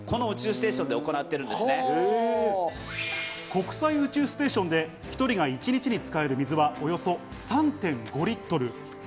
国際宇宙ステーションで１人が一日に使える水はおよそ３．５リットル。